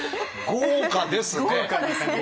豪華ですね！